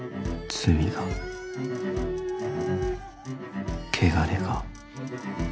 罪が汚れが。